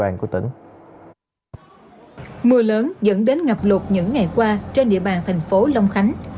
mưa lớn dẫn đến ngập lụt những ngày qua trên địa bàn thành phố long khánh